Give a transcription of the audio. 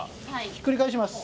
ひっくり返します。